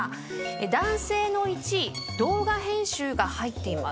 男性の１位動画編集が入っています。